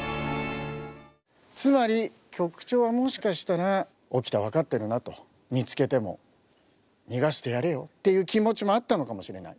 つまり局長はもしかしたら「沖田分かってるな」と「見つけても逃がしてやれよ」っていう気持ちもあったのかもしれない。